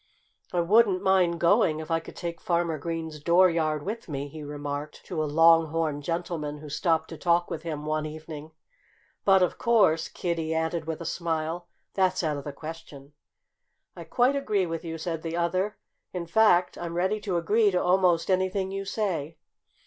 "I wouldn't mind going, if I could take Farmer Green's dooryard with me," he remarked to a long horned gentleman who stopped to talk with him one evening. "But of course," Kiddie added with a smile, "that's out of the question." "I quite agree with you," said the other. "In fact, I'm ready to agree to almost anything you say."